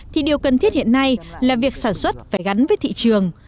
thì điều cần thiết hiện nay là việc sản xuất phải gắn với thị trường